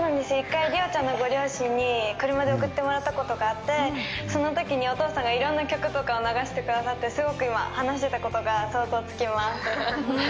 １回、ＲＩＯちゃんのご両親に車で送ってもらったことがあってその時にお父さんがいろんな曲をかけてくれてすごく今話していたことが想像つきます。